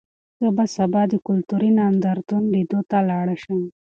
زه به سبا د کلتوري نندارتون لیدو ته لاړ شم.